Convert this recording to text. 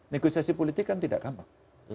negosiasi politik kan tidak gampang